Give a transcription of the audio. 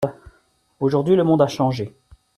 Aujourd’hui, le monde a changé.